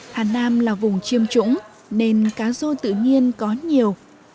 hà nam là vùng chiêm trũng nên cá rô tự nhiên có nhiều